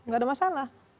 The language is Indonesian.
gak ada masalah